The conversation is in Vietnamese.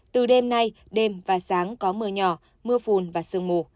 từ đêm nay đêm và sáng có mưa nhỏ mưa phùn và sương mù